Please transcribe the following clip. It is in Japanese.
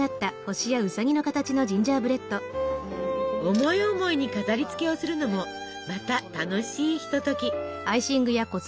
思い思いに飾りつけをするのもまた楽しいひととき。